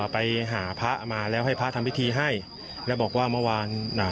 ไปหาพระมาแล้วให้พระทำพิธีให้แล้วบอกว่าเมื่อวานอ่า